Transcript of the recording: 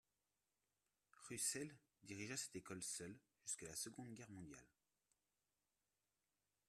Russell dirigea cette école seule jusqu'à la Seconde guerre mondiale.